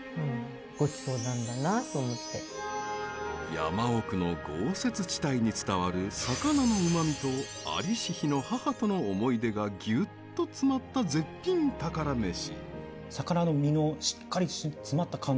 山奥の豪雪地帯に伝わる魚のうまみと在りし日の母との思い出がギュッと詰まった絶品宝メシ。